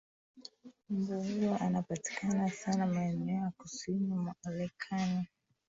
mbu huyo anapatikana sana maeneo ya kusini mwa arekani